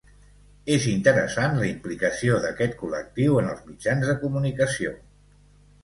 És interessant la implicació d'aquest col·lectiu en els mitjans de comunicació.